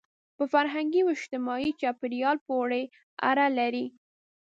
په فرهنګي او اجتماعي چاپېریال پورې اړه لري.